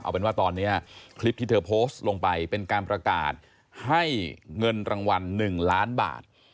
เอาเป็นว่าตอนนี้คลิปที่เธอโพสต์ลงไปเป็นการประกาศให้เงินรางวัล๑ล้านบาท